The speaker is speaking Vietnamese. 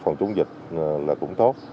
phòng chống dịch là cũng tốt